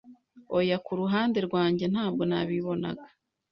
Oya Ku ruhande rwanjye ntabwo nabibonaga,